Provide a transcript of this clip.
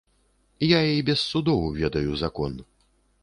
Я і без судоў ведаю закон.